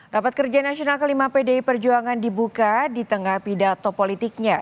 rapat kerja nasional ke lima pdi perjuangan dibuka di tengah pidato politiknya